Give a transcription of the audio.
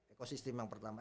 ekosistem yang pertama